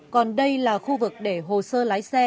còn đây là khu vực để hồ sơ lái xe